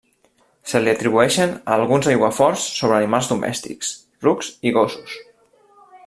Se li atribueixen alguns aiguaforts sobre animals domèstics -rucs i gossos-.